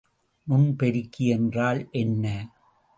நுண்பெருக்கி என்றால் என்ன?